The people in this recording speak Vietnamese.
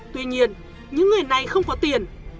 tuy nhiên những người này không có tiền